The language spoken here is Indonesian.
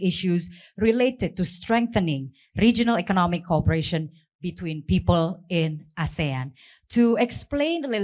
asean menjadi pusat peningkatan ekonomi dunia atau epicentrum of growth